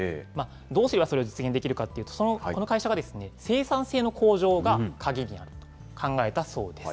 どうすればそれを実現できるかというと、この会社は生産性の向上が鍵になると考えたそうです。